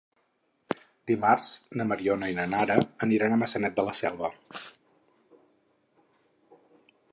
Dimarts na Mariona i na Nara aniran a Maçanet de la Selva.